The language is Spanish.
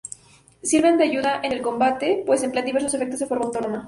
Sirven de ayuda en el combate, pues emplean diversos efectos de forma autónoma.